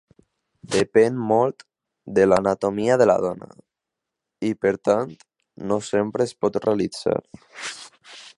Depèn molt de l'anatomia de la dona i, per tant, no sempre es pot realitzar.